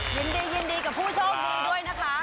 ยินดียินดีกับผู้โชคดีด้วยนะคะ